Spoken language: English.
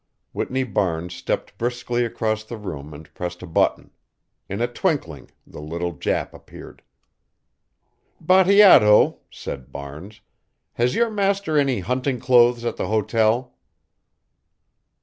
Whitney Barnes stepped briskly across the room and pressed a button. In a twinkling the little Jap appeared. "Bateato," said Barnes, "has your master any hunting clothes at the hotel?"